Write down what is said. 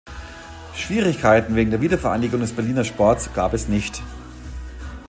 Schwierigkeiten wegen der Wiedervereinigung des Berliner Sports gab es nicht.